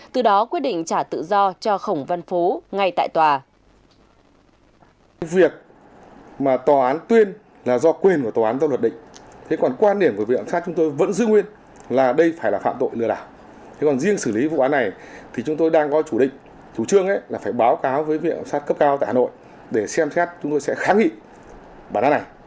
từ đó quyết định trả tự do cho khổng văn phú ngay tại tòa